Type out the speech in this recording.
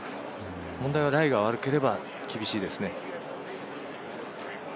問題はライが悪ければ厳しいですね。